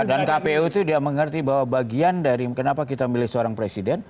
dan kpu itu dia mengerti bahwa bagian dari kenapa kita milih seorang presiden